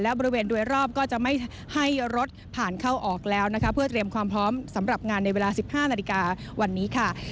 และบริเวณโดยรอบก็จะไม่ให้รถผ่านเข้าออกแล้วนะคะเพื่อเตรียมความพร้อมสำหรับงานในเวลา๑๕นาฬิกาวันนี้ค่ะ